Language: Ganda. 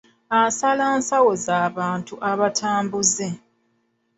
Asala ensawo z'abantu abatambuze.